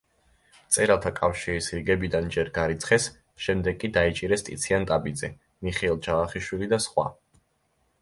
მწერალთა კავშირის რიგებიდან ჯერ გარიცხეს, შემდეგ კი დაიჭირეს ტიციან ტაბიძე, მიხეილ ჯავახიშვილი და სხვა.